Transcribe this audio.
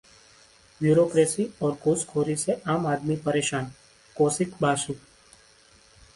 bureaucracy और घूसखोरी से आम आदमी परेशान: कौशिक बसु